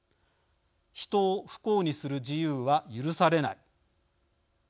「人を不幸にする自由は許されない」。